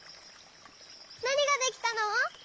なにができたの？